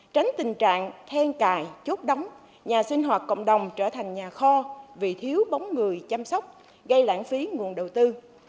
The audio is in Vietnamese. tránh tình trạng then cài chốt đóng nhà sinh hoạt cộng đồng trở thành nhà kho vì thiếu bóng người chăm sóc gây lãng phí nguồn đầu tư